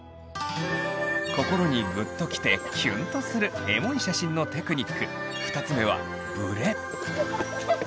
心にグッときてキュンとするエモい写真のテクニック２つ目はブレ。